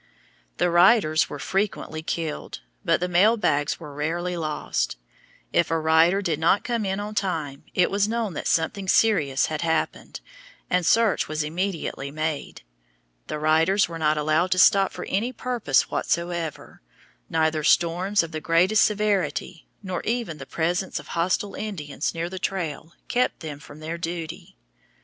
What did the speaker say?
The riders were frequently killed, but the mail bags were rarely lost. If a rider did not come in on time, it was known that something serious had happened, and search was immediately made. The riders were not allowed to stop for any purpose whatsoever; neither storms of the greatest severity nor even the presence of hostile Indians near the trail kept them from their duty.